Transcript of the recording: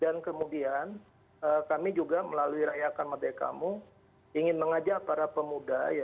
dan kemudian kami juga melalui rayakan merdekamu ingin mengajak para pemuda ya